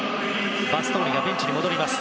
バストーニがベンチに戻ります。